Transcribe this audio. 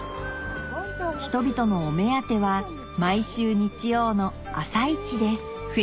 人々のお目当ては毎週日曜の朝市です